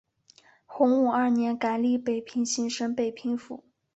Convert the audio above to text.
洪武二年改隶北平行省北平府。